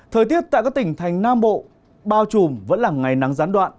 thời tiết tại các tỉnh thành nam bộ bao trùm vẫn là ngày nắng gián đoạn